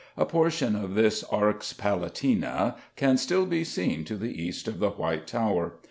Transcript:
A portion of this Arx Palatina can still be seen to the east of the White Tower.